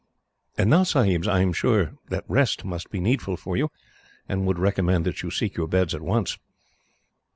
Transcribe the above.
"And now, Sahibs, I am sure that rest must be needful for you, and would recommend that you seek your beds at once."